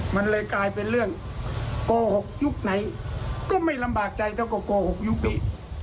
มันเลยกลายเป็นเรื่องโกหกยุคไหนก็ไม่ลำบากใจเท่ากับโกหกยุคนี้